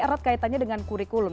erat kaitannya dengan kurikulum